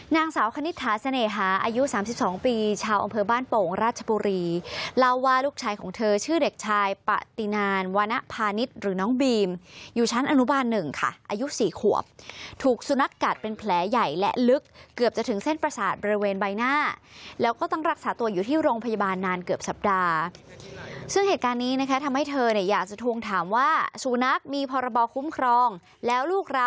นางสาวคณิตฐาเสน่หาอายุ๓๒ปีชาวองค์บ้านโป๋งราชบุรีเล่าว่าลูกชายของเธอชื่อเด็กชายปะตินานวณภานิษฐ์หรือน้องบีมอยู่ชั้นอนุบาล๑ค่ะอายุ๔ขวบถูกสุนัขกัดเป็นแผลใหญ่และลึกเกือบจะถึงเส้นประสาทบริเวณใบหน้าแล้วก็ต้องรักษาตัวอยู่ที่โรงพยาบาลนานเกือบสัปดาห์ซึ่งเหตุการ